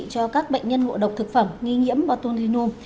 cho các bệnh nhân ngộ độc thực phẩm nghi nhiễm bòtoninom